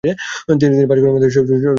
তিনি পাঁচ কন্যার মধ্যে সর্বকনিষ্ঠ ছিলেন।